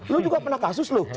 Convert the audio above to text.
lu juga pernah kasus lu